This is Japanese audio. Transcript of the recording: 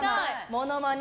モノマネ